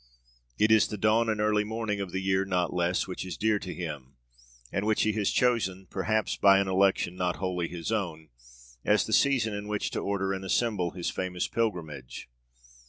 It is the dawn and early morning of the year not less which is dear to him and which he has chosen, perhaps by an election not wholly his own, as the season in which to order and assemble his famous pilgrimage.